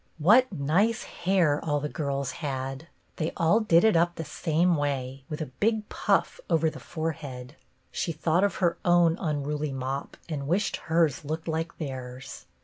What nice hair all the girls had ! They all did it up the same way, with a big puff over the forehead. She thought of her own unruly mop and wished hers looked like theirs.